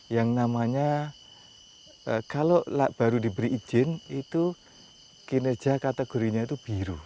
yang namanya kalau baru diberi izin itu kinerja kategorinya itu biru